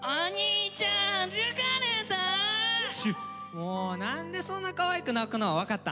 もう何でそんなかわいく泣くの分かった。